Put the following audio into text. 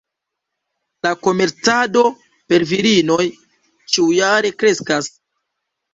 La komercado per virinoj ĉiujare kreskas.